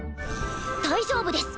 大丈夫です！